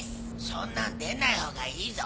そんなん出ないほうがいいぞ。